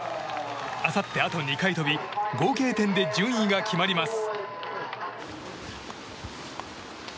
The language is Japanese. あさってあと２回飛び合計点で順位が決まります。